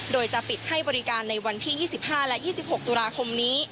โดยจะปิดให้บริการในวันที่๒๕และ๒๖ตุลาคมนี้